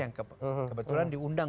yang kebetulan diundang